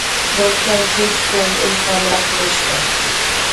دلته هېڅ ډول امکانات نشته